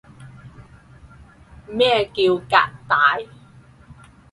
咩叫革大